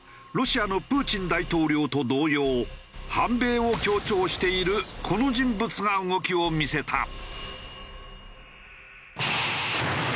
ロシアのプーチン大統領と同様反米を強調しているこの人物が動きを見せた。